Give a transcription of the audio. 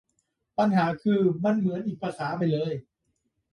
ปัญหาคือ มันเหมือนอีกภาษาไปเลย